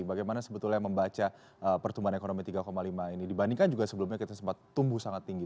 bagaimana sebetulnya membaca pertumbuhan ekonomi tiga lima ini dibandingkan juga sebelumnya kita sempat tumbuh sangat tinggi tujuh